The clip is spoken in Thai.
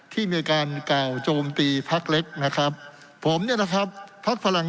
ที่มีการกล่าวโจมตีพักเล็กนะครับผมเนี่ยนะครับพักพลัง